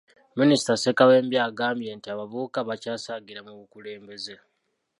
Minisita Ssekabembe agambye nti abavubuka bakyasaagira mu bukulembeze.